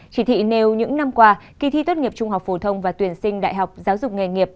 chỉ thị nêu những năm qua kỳ thi tốt nghiệp trung học phổ thông và tuyển sinh đại học giáo dục nghề nghiệp